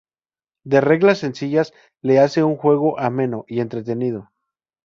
De reglas sencillas le hace un juego ameno y entretenido.